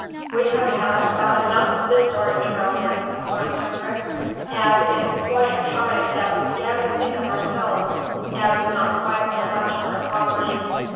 "We have had about enough of this sort of travelling," remarked Hendrik, "and it's quite time that we began to think of ourselves, and not quite so much of our property."